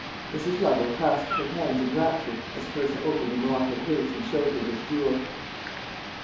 Mrs. Lovel clasped her hands in rapture as Clarissa opened the morocco case and showed her this jewel.